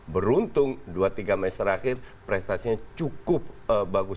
beruntung dua tiga match terakhir prestasinya cukup bagus